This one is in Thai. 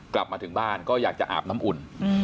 กลับมาถึงบ้านก็อยากจะอาบน้ำอุ่น